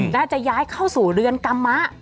และจะย้ายเข้าสู่เรือนกรรมะ